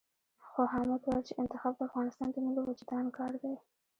خو حامد ويل چې انتخاب د افغانستان د ملي وُجدان کار دی.